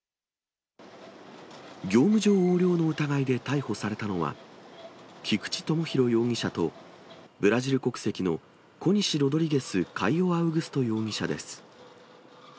業務上横領の疑いで逮捕されたのは、菊地友博容疑者と、ブラジル国籍のコニシ・ロドリゲス・カイオ・アウグスト容疑者です。